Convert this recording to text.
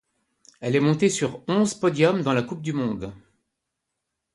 Elle est montée sur onze podiums dans la Coupe du monde.